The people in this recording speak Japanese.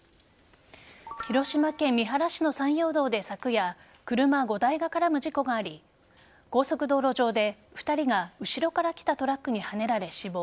広島県三原市の山陽道で昨夜車５台が絡む事故があり高速道路上で２人が後ろから来たトラックにはねられ死亡。